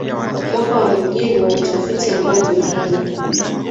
mwaka kwa mujibu wa utafiti ambao umefanywa